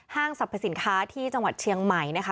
สรรพสินค้าที่จังหวัดเชียงใหม่นะคะ